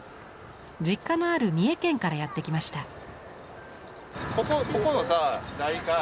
実家のある三重県からやって来ました。